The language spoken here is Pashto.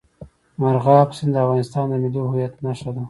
مورغاب سیند د افغانستان د ملي هویت نښه ده.